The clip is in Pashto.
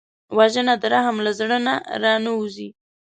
وژنه د رحم له زړه نه را نهوزي